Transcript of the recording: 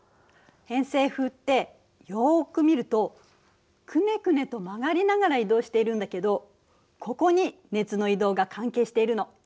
偏西風ってよく見るとクネクネと曲がりながら移動しているんだけどここに熱の移動が関係しているの。